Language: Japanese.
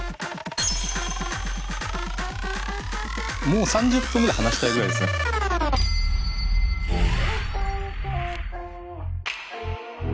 もう３０分ぐらい話したいぐらいですね。